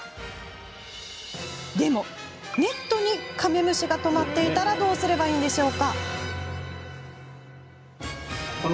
でもネットにカメムシが止まっていたらどうすればいいんでしょう。